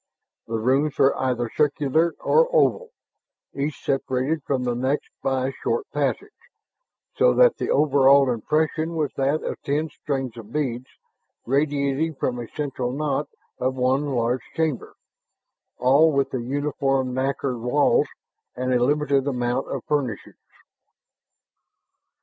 The rooms were either circular or oval, each separated from the next by a short passage, so that the overall impression was that of ten strings of beads radiating from a central knot of one large chamber, all with the uniform nacre walls and a limited amount of furnishings.